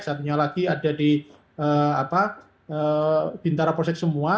satunya lagi ada di bintara polsek semua